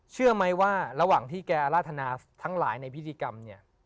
เชื่อไหมว่าระหว่างที่แกราธนาทั้งหลายในพิธีกรรมเนี่ย